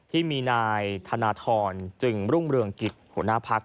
ที่มีนายธนทรจึงรุ่งเรืองกิจหัวหน้าพัก